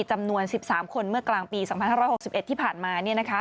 จำนวน๑๓คนเมื่อกลางปี๒๕๖๑ที่ผ่านมา